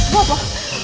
pada roy dan clara